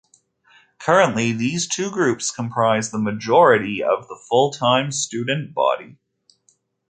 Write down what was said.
Currently, these two groups comprise the majority of the full-time student body.